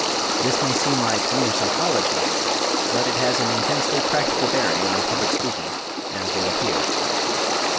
This may seem like "mere psychology," but it has an intensely practical bearing on public speaking, as will appear.